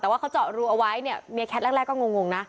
แต่ว่าเขาเจาะรู่เอาไว้ส่วนแม่แคล็ดแรกก็งง